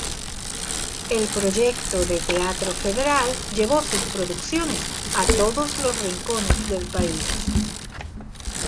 El Proyecto de Teatro Federal llevó sus producciones a todos los rincones del país.